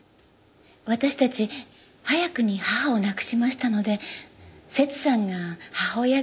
私たち早くに母を亡くしましたのでセツさんが母親代わりで。